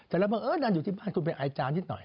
แต่ละบางนานอยู่ที่บ้านคุณไปไอจามนิดหน่อย